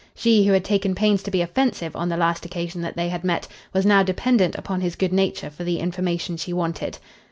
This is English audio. She, who had taken pains to be offensive on the last occasion that they had met, was now dependent upon his good nature for the information she wanted.